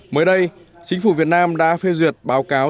mới đây chính phủ việt nam đã phê duyệt báo cáo